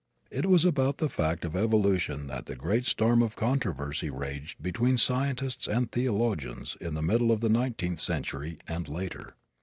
It was about the fact of evolution that the great storm of controversy raged between scientists and theologians in the middle of the nineteenth century, and later.